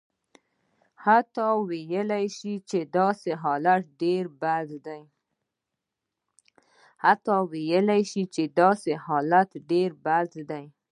حتی ویلای شو چې داسې حالت ډېر بد دی.